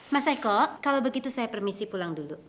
mas eko kalau begitu saya permisi pulang dulu